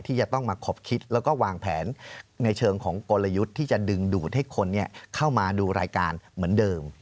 ที่จะต้องมาขบคิดแล้วก็วางแผนในเชิงของกลยุทธ์ที่จะดึงดูดให้คนเข้ามาดูรายการเหมือนเดิม